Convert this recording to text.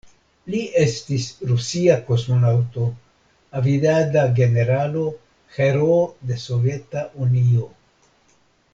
Li estis rusia kosmonaŭto, aviada generalo, heroo de Soveta Unio.